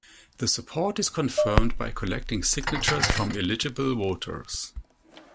The support is confirmed by collecting signatures from eligible voters.